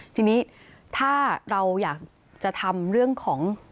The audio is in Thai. ทีนี้ถ้าเราอยากจะทำเรื่องของ